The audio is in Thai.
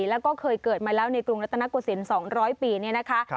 แล้วก็เคยเกิดมาแล้วในกรุงรัฐนาคกฤษิน๒๐๐ปีนี่นะคะ